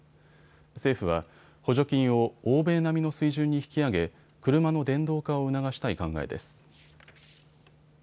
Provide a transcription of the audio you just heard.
政府は補助金を欧米並みの水準に引き上げ車の電動化を促したい考えです。